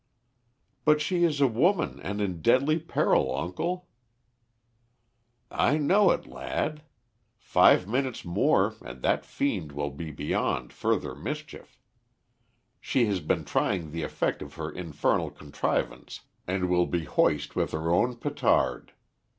"But she is a woman and in deadly peril, uncle." "I know it, lad. Five minutes more and that fiend will be beyond further mischief. She has been trying the effect of her infernal contrivance and will be hoist with her own petard.